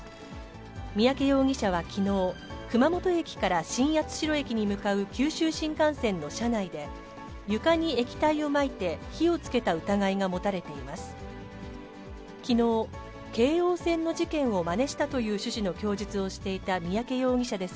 三宅容疑者はきのう、熊本駅から新八代駅に向かう九州新幹線の車内で、床に液体をまいて火をつけた疑いが持たれています。